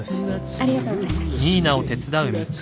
ありがとうございます。